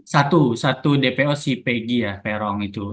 satu satu dpo si pegi ya perong itu